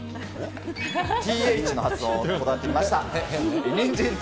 ｔｈの発音、こだわってみました。